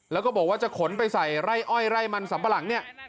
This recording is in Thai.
แล้วก็บอกว่าจะขนไปใส่ไร่อ้อยไร่มันสัมปะหลังเนี่ย